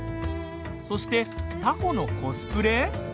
そしてタコのコスプレ？